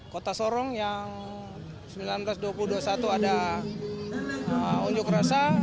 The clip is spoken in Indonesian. kota sorong yang sembilan belas dua puluh dua puluh satu ada unjuk rasa